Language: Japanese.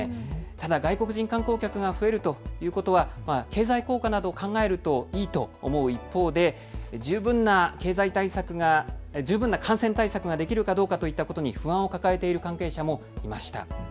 ただ外国人観光客が増えるということは経済効果などを考えるといいと思う一方で十分な感染対策ができるかどうかということに不安を抱えている関係者もいました。